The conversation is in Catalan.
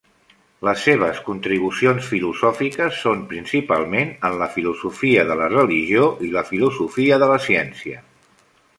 Les seves contribucions filosòfiques són principalment en la filosofia de la religió i la filosofia de la ciència.